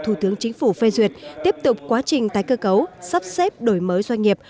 thủ tướng chính phủ phê duyệt tiếp tục quá trình tái cơ cấu sắp xếp đổi mới doanh nghiệp